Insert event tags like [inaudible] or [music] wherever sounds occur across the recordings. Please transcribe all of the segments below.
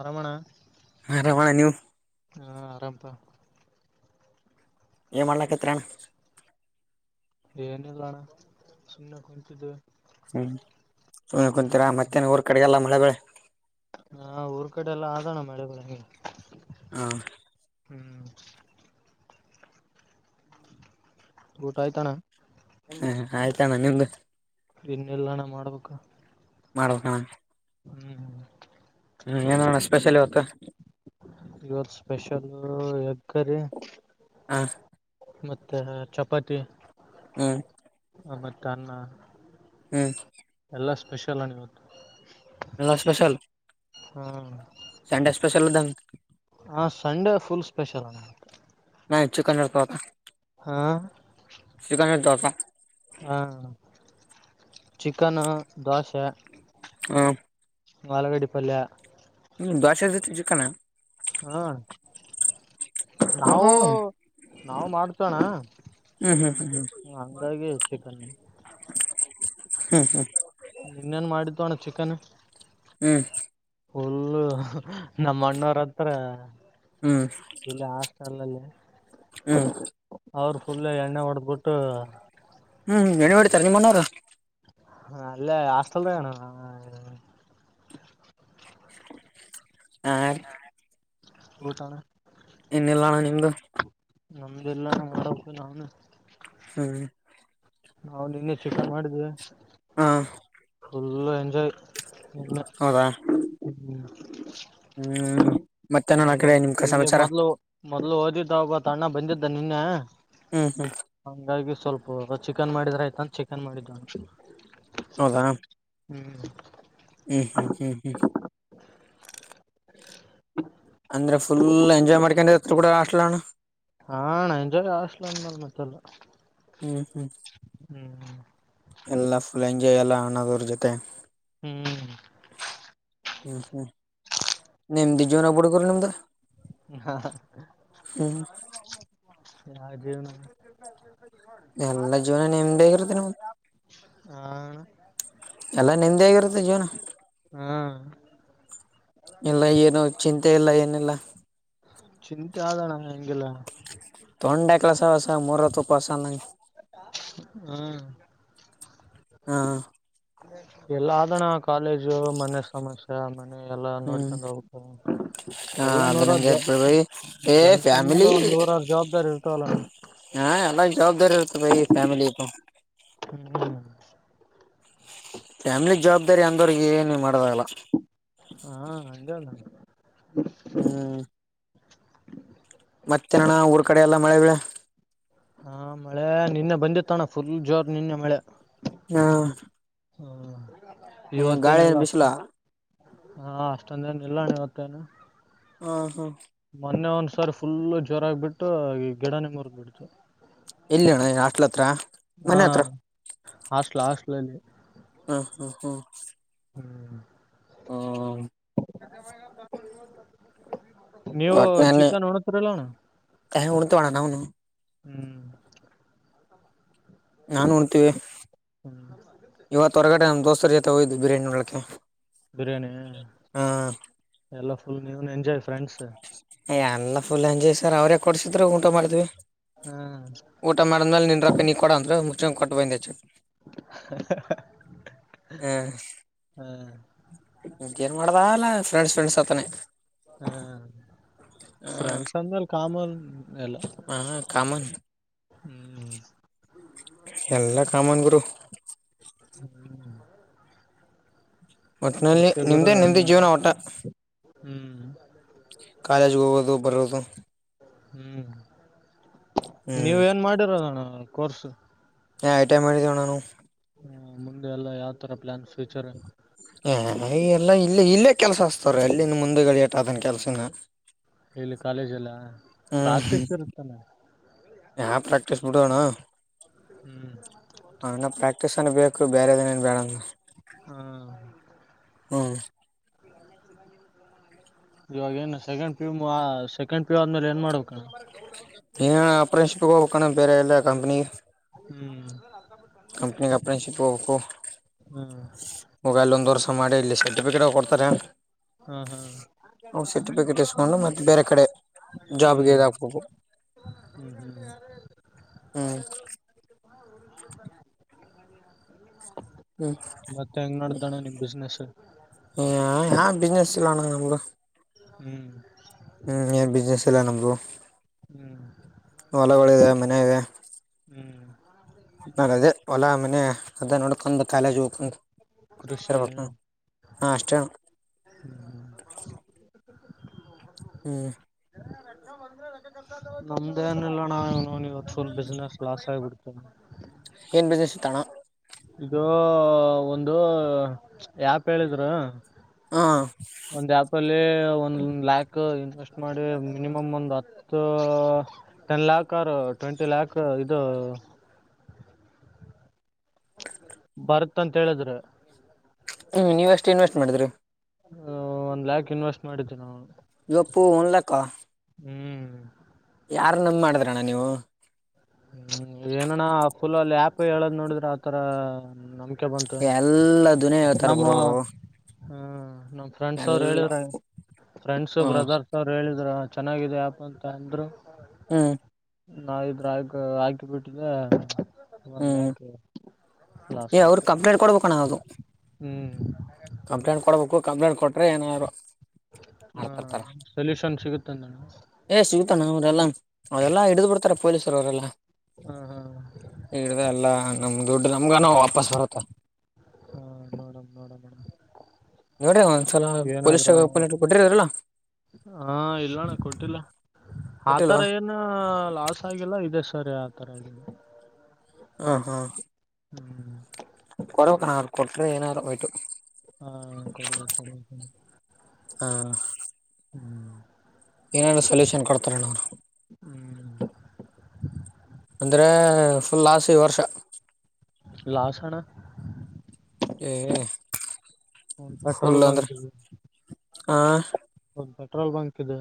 ಅರಮಣ, ಹಾ ಅರಾಮಣ ನೀವು. ಹಾ ಆರಾಮ್ ಪ ಎನ್ ಮಾಡ್ಲಖೇತ್ರ್ ಅಣ. ಎನೀಲ್ಲಣ ಸುಮ್ನೆ ಕುಂತಿದ್ವಿ. ಹ್ಮ್ ಸುಮ್ನೆ ಕುಂತರಾ ಹ್ಮ್ ಮತ್ತೇನ್ ಊರ್ ಕಡೆಗೆಲ್ಲ ಮಳೆ ಬೆಳೆ ಹಾ ಊರ್ ಕಡೆ ಎಲ್ಲ ಆದಣ ಮಳೆ ಬೆಳೆ ಹಾ ಹ್ಮ್ ಊಟ ಆಯ್ತಾನ ಹ್ಮ ಆಯ್ತಣ್ಣ ನಿಮ್್ದು ಇನ್ನೆಲ್ಲಣ್ಣ ಮಾಡ್ಬೇಕ ಮಾಡಬೇಕಣ ಹ್ಮ್ ಹ್ಮ್ ಏನಣ್ಣ ಸ್ಪೆಷಲ್ ಇವತ್ತು ಇವತ್ತು ಸ್ಪೆಷಲ್ ಎಗ್ ಕರಿ ಹಾ ಮತ್ತೆ ಚಪಾತಿ ಹ್ಮ್ ಅಮ್ಮ ಕಾ [unintelligible] ಹ್ಮ್ ಎಲ್ಲ ಸ್ಪೆಷಲ್ ಇವತ್ತು ಎಲ್ಲ ಸ್ಪೆಷಲ್ ಹ್ಮ್ ಸಂಡೆ ಸ್ಪೆಷಲ್ದ [unintelligible] ಸ್ಪೆಷಲ ನಾ್ ಚಿಕನ [unintelligible] ಶಕಾನ ದ [unintelligible] ಹಾ ಚಿಕನು ದೋಸೆ ಹ ಮಾಾಲಗಡಿ ಪಲ್ಯ [unintelligible] ಹಾ ಹ್ಮ್ ನಾವು ಹ್ಮ್ ನಾವು ಮಾಡ್ತೋಣ ಹ್ಮ್ ಹಂಗಾಗಿ ಚಿಕನ್ ಹ್ಮ್ ಹ್ಮ್ ನಿನ್ನೇನ್ ಮಾಡಿದ್ದು ಅಣ್ಣ ಚಿಕನ್ ಹ್ಮ್ ಫುಲ್ಲು ನಮ್ಮ ಅಣ್ಣವ್ರ ಹತ್ರ ಹ್ಮ್ ಇಲ್ಲಿ ಹಾಸ್ಟೆಲ್ಲ್ಲಿ ಹ್ಮ್ ಅವರು ಫುಲ್ ಎಣ್ಣೆ ಹೊಡೆದ್ಬಿಟ್ಟು ಹ್ಮ್ ಎಣ್ಣಿ ಹೊಡಿತಾರ ನಿಮ್ಮನವ್ರು ಹಾ ಇಲ್ಲ ಹಾಸ್ಟಲ್ ಅಣ್ಣ ಹ [inaudible] ಊಟ ಇನ್ನಿಲ್ಲ ಅಣ್ಣ ನಿಮ್ದು ನಮ್ದ ಎಲ್ಲ ಅಣ್ಣ ನಾನು [inaudible] ಹ್ಮ್ ನಾ ನಿನ್ನೆ ಚಿಕ್ಕನ್ ಮಾಡಿದ್ದವಿ ಹಾ ಫುಲ್ಲ ಎಂಜಾಯ್ ಸುಮ್ನೆ ಹೌದಾ ಹ್ಮ್ ಹ್ಮ್ ಓ ಮತ್ತೇನಣ್ಣ ಆ ಹೊ ಕಡೆ ನಿಮ್ ಇಲ್ಲೆ ಸಮಾಚಾರ ಮೊದ್ಲು ಮೊದ್ಲು ಓದಿದ್ದ ಅವತ್ ಅಣ್ಣ ಬಂದಿದ್ ದ ನಿನ್ಯಾ. ಹ್ಮ್ ಹ್ಮ್ ಸ್ವಲ್ಪ ಚಿಕನ್ ಮಾಡಿದ್ರ ಆಯ್ತ ಅಂತ ಚಿಕನ್ ಮಾಡಿದ್ದುಂಟು. ಹೌದಣ ಹ್ಮ್ ಹ್ಮ್ ಹ್ಮ ಹ್ಮ್ ಹ್ಮ್ [inaudible] ಅಂದ್ರೆ ಫುಲ್ ಎಂಜಾಯ್ ಮಾಡ್ಕೊಂಡಿತ್ರಿ ಬುಡ ಹಾಸ್ಟಲ್ಣ. ಹಾಣ ಎಂಜಾಯ್ ಹಾಸ್ಟೆಲ್ ಅಂದ ಮೇಲ್ ಮತ್ತೆಲ್ಲ. ಹ್ಮ್ ಹ್ಮ್ ಹ್ಮ್ ಹ್ಮ್ ಎಲ್ಲ ಫುಲ್ ಎಂಜಾಯ್ ಎಲ್ಲ ಅಣ್ಣದೊರ ಜೊತೆ. ಹ್ಮ್ ಹ್ಮ್ ಹ್ಮ್ ನಿಮ್ ಬಿಜ್ಜೀವನ ಬುಡುಗುರ್ ನಿಮ್ದು. ಹಾ ಹ್ಮ್ ಯಾ ಜೀವನ. ಎಲ್ಲಾ ಜೀವನ ನೆಮ್ಮದಿ ಆಗಿರೋದ್ರಿ ನಿಮ್ದು ಹಾ ಎಲ್ಲ ನಿಮ್ದೆ ಆಗಿರುತ್ತೆ ಜೀವನ. ಹಾ ಎಲ್ಲ ಏನು ಚಿಂತೆ ಎಲ್ಲ ಏನೆಲ್ಲ. ಚಿಂತಿ ಅದಣ್ಣಾ ಹೆಂಗಿಲ್ಲ. ತೊಂಡ್ಯ ಕೆಲಸ ಹೊಸ ಮೂರು. ತೊಪ್ಪಸನಂಗ್. ಹ್ಮ್ ಹಾ ಎಲ್ಲ ಆದಣ ಕಾಲೇಜು ಮನೆ ಸಮಸ್ಯ ಮ ಎಲ್ಲಾ ಹ್ಮ್ ನೋಡ್ಕ್ಯಾಂತ್ ಹೊಬೇಕು ಹಾ ಎಲ್ಲಾ ಅದು ನೂರಾರ ನಂಗೆ ಜ ಬೈ ಏ ಗಂಡಸ ಅಂದ್ಮ್ಯಾಲ್ ಫ್ಯಾಮಿಲಿ ಒಂದ್ ನೂರಾರ ಜವಾಬ್ದಾರಿ ಇರ್ತವಲ್ಲ ಅಣ್ಣಾ. ಇರತದ ಬೈ ಫ್ಯಾಮಿಲಿ ಹ್ಮ್ಮ ಫ್ಯಾಮಿಲಿ ಜವಾಬ್ದಾರಿ ಅಂದೋರಿಗ ಏನ ಮಾಡದಾಗಲ್ಲ ಹಾ ಹಂಗೆ ಅದ ಹ್ಮ್ ಮತ್ತೆನಣ್ಣ ಊರ್ ಕಡೆ ಎಲ್ಲ ಮಳೆ ಬಳೆ. ಹಾ ಮಳೆ ನಿನ್ನೆ ಬಂದಿತ್ತಣ ಫುಲ್ ಜೋರ್ ನಿನ್ನೆ ಮಳೆ. ಹಾ ಹಾ ಹ್ಮ ಗಾಳಿ ಎನ್ ಬಿಸ್ಲಾ. ಹಾ ಅಷ್ಟೊಂದೇನ ಇಲ್ಲ ಇವತ್ತೇನ. ಹಾ ಹಾ ಸರ್ ಫುಲ್ ಜ್ವರಗಬಿಟ್ಟು ಈ ಗಿಡನೇ ಮುರದ್ಬಿಡ್ತು. ಇಲ್ಲಣ್ಣ ಹಾಷ್ಟಲತ್ರ ಹಾ ಮನೆ ಹತ್ರ ಹಾಸ್ಟ್ಲ್ ಹಾಸ್ಟ್ಲಲ್ಲಿ ಹ್ಮ್ ಹ್ಮ್ ಹ್ಮ್. ಹ್ಮ್ ಹೂ ಗ ಬ [unintelligible] ಒನ ಏ ಉಣ್ತಿವಣ ನಾವುನು. ಹ್ಮ್ ನಾನ್ ಉಣತಿವಿ. ಹ್ಮ್ ಇವತ್ತು ಹೊರಗಡೆ ದೋಸ್ರ ಜತೆ ಹೋಗಿದ್ದೆ ಬಿರಿಯಾನಿ ಉಣ್ಣಲಿಕ್ಕೆ. ಬಿರಿಯಾನಿ ಹಾ ಎಲ್ಲ ಫುಲ್ ನಾನ್ ಎಂಜಾಯ್ ಫ್ರೆಂಡ್ಸ್ ಎಲ್ಲ ಫುಲ್ ಎಂಜಾಯ್ ಸರ್ ಅವ್ರೇ ಕೊಡ್ಸಿದ್ರು ಊಟ ಮಾಡಿದ್ವಿ. ಹಾ ಊಟ ಮಾಡಿದ್ಮೇಲ ನಿನ್ರಕ್ಕ ನೀ ಕೊಡ ಅಂದ್ರ. ಚಂಕಾಟ ಬಂದು ಅಚ್ಚಟ್ ಹಾ ಹಾ ಹಾ ಹ್ಮ್ ನಿಮ್ ನ್ ಮಾಡದಲ್ಲಾ ಫ್ರೆಂಡ್ಸ್ ಫ್ರೆಂಡ್ಸ್ ಅತಾನನೆ. ಹ್ಮ ಫ್ರೆಂಡ್ಸ್ ಅಂದ್ರೆ ಕಾಮನ್ ಎಲ್ಲ ಹಾ ಕಾಮನ್ ಹ್ಮ್ ಹ್ಮ್ ಎಲ್ಲ ಕಾಮನ್ಗುರು ಹ್ಮ್ ಒಟ್ಟಿನಲ್ಲಿ ನಿಮ್ದೇ ನಿಮ್ದೆ ಜೀವನ ಒಟ್ಟ ಹ್ಮ್ ಕಾಲೇಜ್ ಹೋಗುದು. ಬರೋದು. ಹ್ಮ್ ನೀವ ಹ್ಮ್ ಏನ್ ಮಾಡಿರೋದಣ? ಕೊರ್ಸು ನ್ ಐಟಿಐ ಮಾಡಿದಿವಣ. ಹ್ಮ ಮುಂದೆ ಎಲ್ಲ ಯಾವ್ ತರ ಪ್ಲಾನ್ ಫ್ಯೂಚರ್? ಹಯ ಎಲ್ಲಾ ಇಲ್ಲ ಇಲ್ಲೇ ಕೆಲ್ಸ ಅಸ್ತವ್ರ ಅಲ್ಲಿನ ಮುಂದೆ ಗಳಿಯಟ ಅದನ್ ಕೆಲ್ಸನ ಇಲ್ಲಿ ಕಾಲೇಜ್ ಎಲ್ಲ ಹ್ಮ್ ಪ್ರಾಕ್ಟೀಸ್ ಇರುತ್ತಾನ. ಯಾ ಪ್ರಾಕ್ಟೀಸ್ ಬಿಡೋಣ ಹ್ಮ್ ಅಣ್ಣ ಪ್ರಾಕ್ಟೀಸ್ ಅನ ಬೇಕ ಬಕ್ಕ ಬೇರೆೇ ಏನುಮಾಡೋಲ್ಲ. ಹಾ ಹ್ಮ್ ಇವಾಗೇನ್ ಸೆಕೆಂಡ್ ಪ್ಯ ಸೆಕೆಂಡ್ ಪ್ಯೂ ಆದ್ಮೇಲೆ ಏನ್ ಮಾಡ್ಬೇಕಣ. ತಕನ ಬೇರೆ ಎಲ್ಲ ಕಂಪ್ನ ಹ್ಮ್ ಕಂಪ್ನಿ ಕಪ್ರೆನ್ಶಿಪ್ ಹ ಹೋ ಹ್ಮ್ ಮೊಬೈಲ್ ಲಂದುಂದ ಮಾಡಿ ಇಲ್ಲಿ ಸರ್ಟಿಫಿಕೇಟ್ ಕೊಡ್ತಾರೆ ಹ್ಮ ಅವ್ ಸರ್ಟಿಫಿಕೇಟ್ ಇಸ್ಕೊಂಡು ಹಾ ಮತ್ತೆ ಬೇರೆ ಕಡೆ ಹ್ಮ್ ಜಾಬ್ಗೆ ಇದ ಹಾಕ್ಬೇಕು ಹ್ಮ್ ಹ್ಮ್ ಹ್ಮ್ ಹ ಹ್ಮ್ ಬಿಸ್ನೆಸ್ ಹ ಹಾ ಬಿಸ್ನೆಸ್ ಚಲಾನ ನಲ್ಲ ಹ್ಮ್ ಹ್ಮ್ ಏನ್ ಬಿಸ್ನಸ್ ಎಲ್ಲ ನಮ್ದು ಹ್ಮ್ ಹೊಲಗಳದೆ ಮನೆ ಇದೆ ಹ್ಮ್ ನ ಅದೇ ಹೊಲಾ ಮನೆ ಅದ ನೋಡ್ಕೊಂಡು ಕಾಲೇಜ್ ಹೋಗ್ಕೊಂಡು ಕೃಷಿ ಹಬೇಕಕ್ಕ ಹಷ್ಟ ಹ್ಮ್ ನಮ್ದೇ ಏನಿಲ್ಲ ನಾವ ಇವತ್ತು ಫುಲ್ ಬಿಸ್ನೆಸ್ ಲಾಸ್ ಆಗಿಬಿಡ್ತೇ ಏನ್ ಬಿಸ್ನೆಸ್ ಇತ್ತಣ ಇದು ಒಂದು ಯಾಪ್ ಹೇಳಿದ್ರು ಹಾ ಒಂದ ಲ್ಯಾಕ್ ಇನ್ವೆಸ್ಟ್ ಮಾಡಿ ಮಿನಿಮಮ್ ಒಂದು್ ಹತ್ತು ಟೆನ್ ಲ್ಯಾಕ್ ಅವರು ಟ್ವೆಂಟಿ ಲ್ಯಾಕ್ ಇದು ಹ ಬರತ್ ಅಂತ ಹೇಳಿದ್ರೆ ಹ್ಮ ನೀವ್ ಇನ್ವೆಸ್ಟ್ ಮಾಡಿದ್ರಿ ಒಂದ್ ಲಾಕ್ ಇನ್ವೆಸ್ಟ್ ಮಾಡಿದ್ದೆ ನಾವು ಗೊಪ್ಪು ಒನ್ಲಕ್ಕ ಹ್ಮ್ ಯಾರು ನಮ್ಮ ಮಾಡಿದ್ರಣ್ಣ ನೀವು ಹ್ಮ್ ಏನಣ್ಣ ಫುಲ ಅಲ್ಲಿ ಆಪ್ ಹೇಳೋದ್ ನೋಡಿದ್ರೆ ಆತರ ನಮ ಎಲ್ಲ ದುನೇ ಹೇಳ್ತಾರ ಗುರ ಅವರು ಹ್ಮ ನಮ್ ಫ್ರೆಂಡ್ಸ್ ಅವ್ರು ಎಲ್ಲ ಹೇಳಿದ್ರ ಫ್ರೆಂಡ್ಸ್ ಹ್ಮ್ ಬ್ರದರ್ಸ್ ಅವರು ಹೇಳಿದ್ರ ಚೆನ್ನಾಗಿದೆ ಆಪ್ ಅಂತ ಅಂದ್ರು ಹ್ಮ್ ನಾವಬ್ರಾಯ ಆಕಿಬಟ್ಟಿದ್ದ ಹ್ಮ್ ಏ ಅವ್ರ ಆಯ್ತು ಕಂಪ್ಲೇಂಟ್ ಕೊಡ್ಬೇಕಣ ಅದು ಹ್ಮ್ ಕಂಪ್ಲೇಂಟ್ ಕೊಡ್ಬೇಕು ಕಂಪ್ಲೇಂಟ್ ಕೊಟ್ರೆ ಏನಾರು ಹ ಮಾಡ್ತಿರ್ತಾರಾ ಸೊಲ್ಯೂಷನ್ ಸಿಗುತ್ತಂದ ಏ ಸಿಗತ ನ ಅವ್ರಲ್ಲಾ ಅವರೆಲ್ಲಾ ಹಿಡಿದ್ ಬಿಡ್ತಾರ. ಪೊಲೀಸರುವರೆಲ್ಲ. ಹಾ ಹಾ. ಹಡ್ದ ಅಲ್ಲಾ ನಮ್ ದುಡ್ ನಮ್ಗನ ವಾಪಸ್ ಬರುತ್ತ. ಹಾ ನೋಡ ನೋಡಮಣ್ಣ ನೋಡ್ರಿ ಒಂದ್ಸಲ ಪೊಲೀಸ್ ಏನಾದ್ರೂ ಕಂಪ್ಲೇಂಟ್ ಕೊಟ್ಟಿರಲ್ಲ ಹಾ ಇಲ್ಲಣ್ಣ ಕೊಟ್ಟಿಲ್ಲ. ಆತರ ಕೊಟ್ಟಿಲ್ವಾ ಏನು ಲಾಸ್ ಆಗಿಲ್ಲ ಇ ಸರಿ ಆತರ ಇ ಹ ಹಾ ಕೊಡಬೇಕಣ್ಣ ಅವರು ಕೊಟ್ರೆ ಏನಾರುಯಟ್ಟು ಹಾ ಕೊಡಬೇಕ, ಕೊಡಬೇಕ ಹಾ ಹ್ಮ್. ಸಲ್ಯೂಷನ್. ಕೊಡ್ತಾರಣ್ಣ ಅವ್ರು ಹ್ಮ್ ಅಂದ್ರೆ, ಫುಲ್ ಲಾಸ್ ಈ ವರ್ಷ. ಲಾಸ್ ಅಣ್ಣ. [unintelligible] ಹ ಪೆಟ್ರೋಲ್ ಫುಲ್ ಅಂದ್ರೆ ಬಂಕಗಿ. ಆ ಪೆಟ್ರೋಲ್ ಬಂಕ್ ಇದ.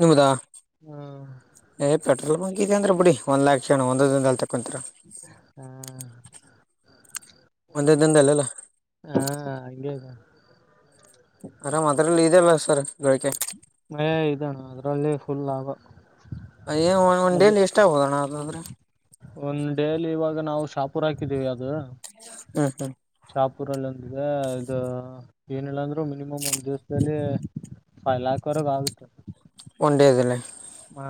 ನಿಮ್ಧಾ ಏ ಪೆಟ್ರೋಲ್. ಇದೇ ಅದ್ರೆ ಬಿಡಿ ಒನ್ ಲಾಕ್ ಶಣ ಒಂದೇ ದಿನದಲ್ಲಿ ತೆಕ್ಕೊಂತೀರಾ ಹ ಒಂದೇ ದಿನದಲ್ಲಿ ಅಲ್ಲ. ಹ ಹಂಗೆ ಇದೆ ಆರಾಮ್ ಅದ್ರಲ್ಲಿ ಇದೆಲ್ಲಾ, [unintelligible] ಹೇ ಇದ ಅಣ್ಣ ಅದ್ರಲ್ಲಿ ಫುಲ್ ಲಾಭ. ಅಏ ಒಂದ್ ಅದು ಡೇಲಿ ಎಷ್ಟ ಆಗದಣ ಅದಾದ್ರೆ. ಒಂದ್ ಡೇಲಿ ಇವಾಗ. ನಾವು ಶಾಪೂರ್ ಹಾಕಿದೀವಿ ಅದು. [unintelligible] ಶಹಾಪುರಲ್ಲಿ ಒಂದಿದೆ ಇದು ಏನಿಲ್ಲ ಅಂದ್ರರು ಮಿನಿಮಮ್ ಒಂದ್ ದಿವಸದಲ್ಲಿ ಫೈವ್ ಲ್ಯಾಕ್ ವರೆಗು ಆಗುತ್ತೆ. [unintelligible] ಹಾ.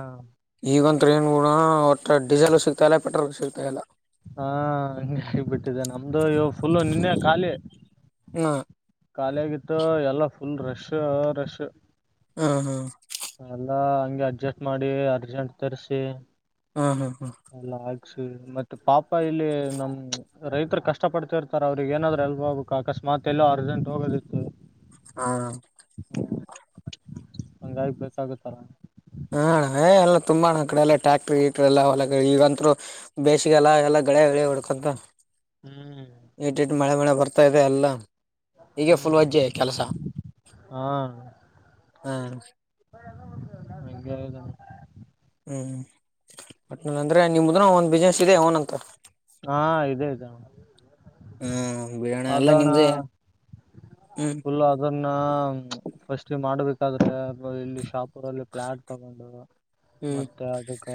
ಈಗ ತ್ರಿ ಮುರ ಗೂಡ ಒಟ್ಟ ಡೀಸೆಲ್ ಸಿಗ್ತಾ ಇಲ್ಲ ಪೆಟ್ರೋಲ್ ಸಿತ ಇಲ್ಲ. ಹಾ ಹಂಗೆ ಆಗಿಬಿಟ್ಟಿದೆ ನಮ್ದು ಇವು ಫುಲ್ಲು ನಿನ್ನೆ ಖಾಲಿ. ಹ್ಮ ಖಾಲಿ ಆಗಿತ್ತು. ಎಲ್ಲ ಫುಲ್ ರಶ್, ರಶ್ ಹ್ಮ, ಹ್ಮ್ ಎಲ್ಲಾ ಹಂಗೆ ಅಡ್ಜಸ್ಟ್ ಮಾಡಿ, ಅರ್ಜೆಂಟ್ ತರಿಸಿ ಹ್ಮ ಹ್ಮ್ ಹ್ಮ್ ಎಲ್ಲ ಮತ್ತೆ ಪಾಪ ಇಲ್ಲಿ ನಮ್ ರೈತರು ಕಷ್ಟ ಪಡ್ತಿರ್ತಾರ ಅವ್ರಿಗೆ ಏನಾದ್ರು ಎಲ್ಪ್ ಆಗಕ್ ಅಕಸ್ಮಾತ್ ಎಲ್ಲ ಪ್ರೆಸೆಂಟ್ ಹೋಗದಿತ್ತು ಹಾ ಹಂಗಾಯಗ್ ಬಾಗತ್ತಾರ ಹಾ ಏ ಎಲ್ಲ ತುಂಬ ನ ಕಡೆಲ್ಲ ಟ್ರ್ಯಾಕ್ಟ್ರ ಈಟ್ರ ಎಲ್ಲ ಹೊ ಈಗಂತರು ಬೇಸಿಗೆ ಎಲ್ಲ ಎಲ್ಲ ಗಳೆ ಗಳಿ ಹುಡ್ಕೊಂತ ಹಾ ಇಟ್ಿಟ್ಟು ಮಳೆ ಮಳೆ ಬರ್ತಾ ಇದೆ ಎಲ್ಲ ಹೀಗೆ ಹ್ಮ್ ಫುಲ್ ವಜ್ಜೆ ಕೆಲಸ ಹಾ ಹ್ಮ ಹಂಗೆ ಇದಣ್ಣ ಹ್ಮ್ಟ್ ಅಂದ್ರೆ ನಿಮ್ದನ ಒಂದ ಬಿಸ್ನೆಸ್ ಇದೆ ಅವನ ಅಂತ ಹಾ ಇದದೆ ಇದೆ ಹ್ಮ್ ಬಿಡೋಣ ಎಲ್ಲ ಅದಣ ನಿಮ್ದೇ ಹ್ಮ್ ಫುಲ್ಲ ಅದನ್ನ ಫಸ್ಟ್ ಪೂಜೆ ಮಾಡ್ಬೇಕಾದ್ರೆ ಇಲ್ಲಿ ಶಾಪ್ ರಲ್ಲಿ ಪ್ಲಾಟ್ ತಗೊಂಡು ಹ್ಮ್ ಮತ್ತೆ ಅದಕ್ಕ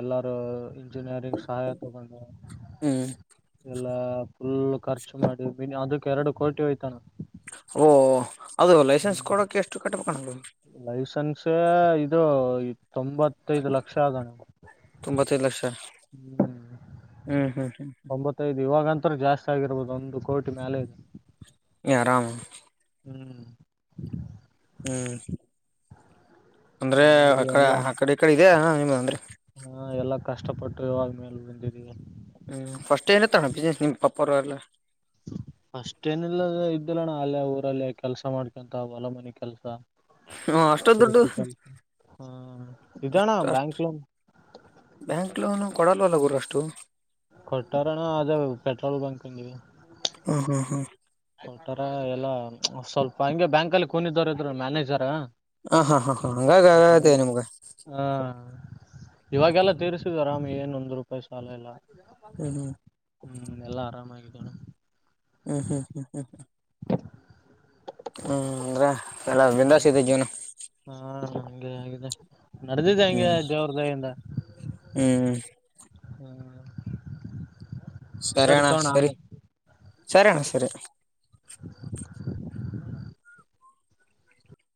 ಎಲ್ಲಾರೂ ಇಂಜಿನಿಯರಿಂಗ್ ಸಹಾಯತಗ ಹ್ಮ್ ಲ್ಲ ಫುಲ್ ಖರ್ಚು ಮಾಡಿ ಅದಕ್ಕೆ ಎರಡು ಕೋಟಿ ಹೋಯ್ತಾನ ಓ ಅದು ಲೈಸೆನ್ಸ್ ಕೊಡಕ್ಕೆ ಎಷ್ಟು ಕಟ್ಬೇಕಣಲ್ ಲೈಸನ್ಸ ಇದು ತೊಂಬತ್ತೈದು ಲಕ್ಷ ಆದಗಣವು ತೊಂಬತ್ತೈದು ಹ್ಮ ಹಾಂ ಹಾ ಒಂಬತ್ತೈದು ಇವಾಗಂತ ಜಾಸ್ತಿ ಆಗಿರ್ಬೋದು ಒಂದು ಕೋಟಿ ಮ್ಯಾಲೇಜ್ ಆರಾಮ ಹ್ಮ್ ಹ್ಮ್ ಅಂದ್ರೆ ಅ ಹಂಗಾಗಿ ಆ ಕಡೆ ಈ ಕಡೆ ಇದೆ ನಿ ಅಂದ್ರೆ ಹಾ ಎಲ್ಲಾ ಕಷ್ಟಪಟ್ಟು ಇವಾಗ ಮೇಲೆ ಬಂದಿದೀಗ ಹ್ಮ್ ಫಸ್ಟ್ ಏನತ್ತಣ ಬಿಸ್ನೆಸ್ ನಿಮ್ ಪಾಪ ಅವರ ಎಲ್ಲ ಅಷ್ಟೇನಿಲ್ಲ ಇದ್ದಲ್ಲಣ್ಣ ಅಲ್ಲೇ ಊರಲ್ಲೇ ಕೆಲ್ಸ ಮಾಡ್ಕೊಂತ ಬಲ ಮನೆಿ ಕೆಲ್ಸ ಹ ಅಷ್ಟೊ ದುಡ್ಡು ಹ್ಮ್ ಇದಣ ಅಷ್ಟ ಅಷ್ಟು ಬ್ಯಾಂಕ್ ಲೋನ್ ಕೊಡಲ್ಲ ಅಲ್ಲ ಗುರು ಅಷ್ಟು ಕೊಟ್ಟಾರಣ ಆದ ಪೆಟ್ರೋಲ್ ಬಂಕ್ಂಗಿವಿದೆ ಹ್ಮ್ ಹ್ಮ್ ಹ್ಮ್ ಹತಾರ ಎಲ್ಲಾ ಸ್ವಲ್ಪ ಹಂಗೆ ಬ್ಯಾಂಕಲ್ಲಿ ಕೂನಿದ್ದ ಇದ್ರು ಮ್ಯಾನೇಜರ್ ಹಾ ಹ ಹಾ ಹಾ ಹಾ ಹಂಗಾಗ ಅದೇ ನಿಮ್ಗ ಇವಾಗೆಲ್ಲ ತೀರಿಸುದು ಆರಾಮಿ ಏನ್ ಒಂದ್ ರೂಪಾಯಿ ಸಾಲ ಇಲ್ಲ ಹ್ಮ ಹ್ಮ ಹ್ಮ್ ಎಲ್ಲ ಆರಾಮಾಗಿದ್ದಣ ಹ್ಮ್ ಹ್ಮ ಹ್ಮ್ ಹ್ಮ್ ಹ್ಮ ಹ ಹ್ಮ್ ಅಂದ್ರ ಎಲ್ಲಾ ಬಿಂದಾಸ ಇದ ಜವನು ಹಾ ಹಗೆ ಆಗಿದೆ ನಡೆದಿದೆೆ ಹಂಗೆ ಹ್ಮ್ ಜೋ್ರದಾಯಿಂದ ಹ್ಮ್ ಹ್ಮ್ ಸರಿಣ್ಣ ತಗೋಣ ಸರಿ ಆಮೇಲೆ ಸರಿ ಅಣ್ಣ ಸರಿ